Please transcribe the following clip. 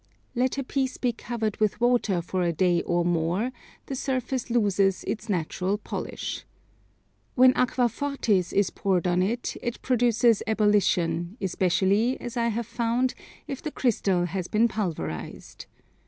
Let a piece be covered with water for a day or more, the surface loses its natural polish. When aquafortis is poured on it it produces ebullition, especially, as I have found, if the Crystal has been pulverized.